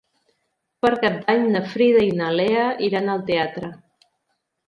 Per Cap d'Any na Frida i na Lea iran al teatre.